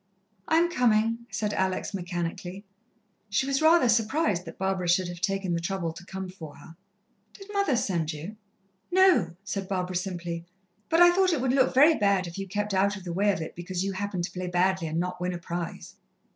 "I'm coming," said Alex mechanically. She was rather surprised that Barbara should have taken the trouble to come for her. "Did mother send you?" "No," said Barbara simply; "but I thought it would look very bad if you kept out of the way of it because you happened to play badly and not win a prize."